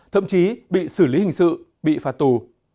thậm chí bị xử lý hình sự bị phạt tù